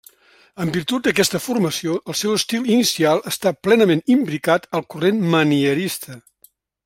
En virtut d'aquesta formació, el seu estil inicial està plenament imbricat al corrent manierista.